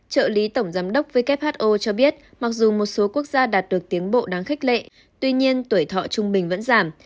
trợ lý tổng giám đốc who cho biết mặc dù một số quốc gia đạt được tiến bộ đáng khích lệ tuy nhiên tuổi thọ trung bình vẫn giảm